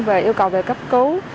về yêu cầu về cấp cứu